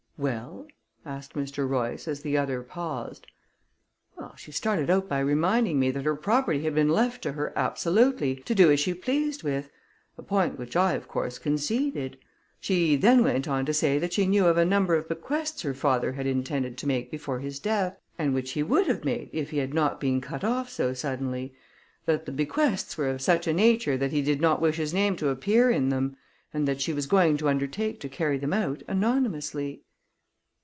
"Well?" asked Mr. Royce, as the other paused. "Well, she started out by reminding me that her property had been left to her absolutely, to do as she pleased with; a point which I, of course, conceded. She then went on to say that she knew of a number of bequests her father had intended to make before his death, and which he would have made if he had not been cut off so suddenly; that the bequests were of such a nature that he did not wish his name to appear in them, and that she was going to undertake to carry them out anonymously."